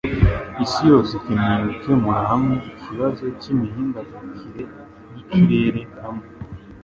Isi yose ikeneye gukemura hamwe ikibazo cy'imihindagurikire y'ikirere hamwe.